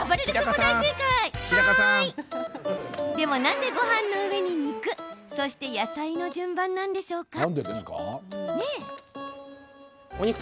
でも、なぜごはんの上に肉そして野菜の順番なんでしょうか。